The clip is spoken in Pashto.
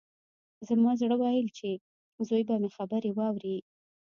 زما زړه ويل چې زوی به مې خبرې واوري.